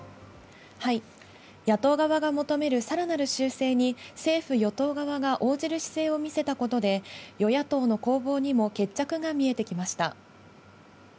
野党側が求めるさらなる修正に政府・与党側が応じる姿勢を見せたことで与野党の攻防にも決着が見えてきました。